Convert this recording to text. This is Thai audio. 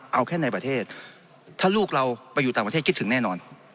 เอาแค่ในประเทศถ้าลูกเราไปอยู่ต่างประเทศคิดถึงแน่นอน